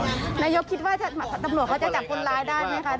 นายกคิดว่าตำรวจเขาจะจับคนร้ายได้ไหมคะ